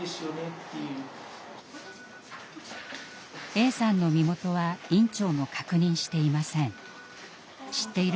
Ａさんの身元は院長も確認していません。